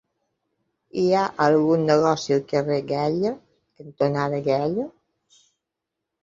Hi ha algun negoci al carrer Galla cantonada Galla?